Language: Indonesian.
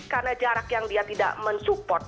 karena jarak yang dia tidak men support